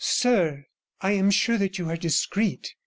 'Sir, I am sure that you are discreet.